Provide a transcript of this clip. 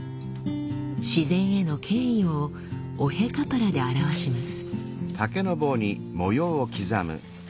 自然への敬意をオヘ・カパラで表します。